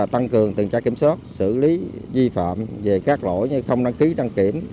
tăng cường tuần tra kiểm soát xử lý vi phạm về các lỗi như không đăng ký đăng kiểm